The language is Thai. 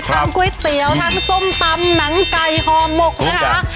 ก๋วยเตี๋ยวทั้งส้มตำหนังไก่ห่อหมกนะคะ